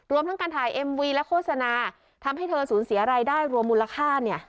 ทั้งการถ่ายเอ็มวีและโฆษณาทำให้เธอสูญเสียรายได้รวมมูลค่าเนี่ย